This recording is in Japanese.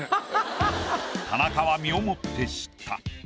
田中は身をもって知った。